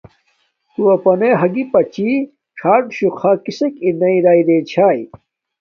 تو اپانݶ ھاگی پاڅی چھوٹی گڅنا کسک ارناݵ راݵ رے چھاݵ